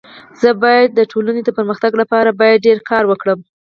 زه بايد د ټولني د پرمختګ لپاره باید ډير کار وکړم.